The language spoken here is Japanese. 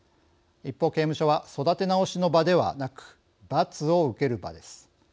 一方、刑務所は育て直しの場ではなく罰を受ける場です。